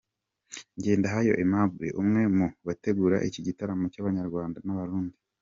Ngendahayo Aimable; umwe mu bategura iki gitaramo cy'Abanyarwanda n'Abarundi.